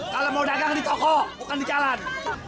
kalau mau dagang di toko bukan di jalan